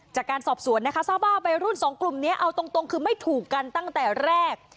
จากการสอบสวนนะคะทราบว่าวัยรุ่นสองกลุ่มนี้เอาตรงคือไม่ถูกกันตั้งแต่แรก